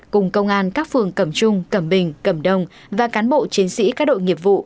cùng công an các phường cẩm trung cẩm bình cẩm đông và cán bộ chiến sĩ các đội nghiệp vụ